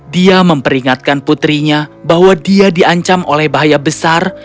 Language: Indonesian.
dia memperingatkan putrinya bahwa dia diancam oleh bahaya besar